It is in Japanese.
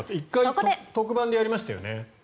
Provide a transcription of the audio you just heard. １回特番でやりましたよね。